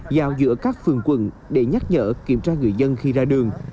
giao giữa các phường quận để nhắc nhở kiểm tra người dân khi ra đường